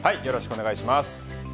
よろしくお願いします。